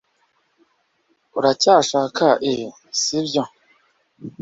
uracyashaka ibi, sibyo?